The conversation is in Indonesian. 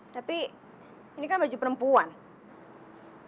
tapi ini baju perempuan kan